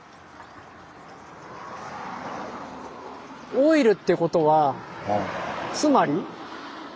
オイルっていうことはつまり？